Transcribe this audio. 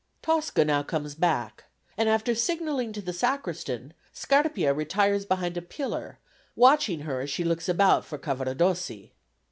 Tosca now comes back, and after signalling to the Sacristan, Scarpia retires behind a pillar, watching her as she looks about for Cavaradossi.